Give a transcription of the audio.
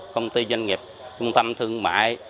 công ty doanh nghiệp trung tâm thương mại